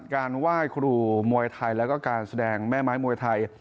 การไหว้ครูมวยไทยแล้วก็การแสดงแม่ไม้มวยไทย